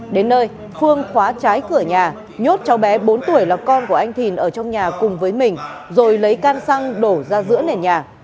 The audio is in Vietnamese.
đến nơi phương khóa trái cửa nhà nhốt cháu bé bốn tuổi là con của anh thìn ở trong nhà cùng với mình rồi lấy can xăng đổ ra giữa nền nhà